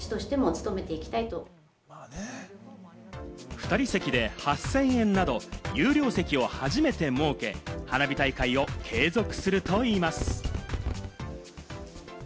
２人席で８０００円など、有料席を初めて設け、花火大会を継続するといいます。